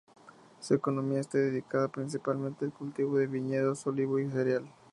Su economía está dedicada principalmente al cultivo de viñedos, olivo y cereal.